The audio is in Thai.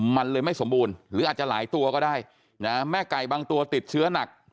มันเลยไม่สมบูรณ์หรืออาจจะหลายตัวก็ได้นะแม่ไก่บางตัวติดเชื้อหนัก